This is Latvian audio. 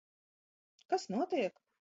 Kas notiek?